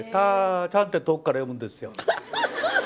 って遠くから呼ぶんですよ。